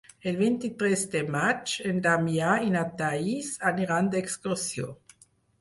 El vint-i-tres de maig en Damià i na Thaís aniran d'excursió.